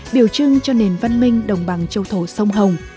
biểu trưng cho nền văn minh đồng bằng châu thổ sông hồng